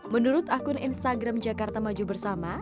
menurut akun instagram jakarta maju bersama